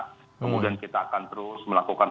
kemudian kita akan terus melakukan